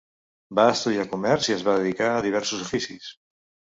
Va estudiar comerç i es va dedicar a diversos oficis.